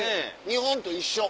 日本と一緒。